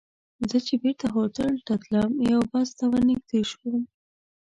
زه چې بېرته هوټل ته تلم، یوه بس ته ور نږدې شوم.